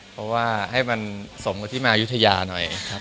เพราะว่าให้มันสมกับที่มายุธยาหน่อยครับ